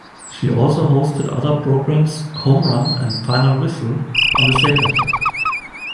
She also hosted other programs ("Home Run" and "Final Whistle") on the same network.